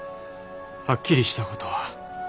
はっきりしたことは。